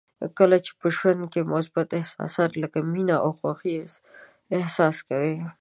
کله چې په ژوند کې مثبت احساسات لکه مینه او خوښي احساس کوئ.